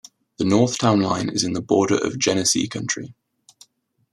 The north town line is the border of Genesee County.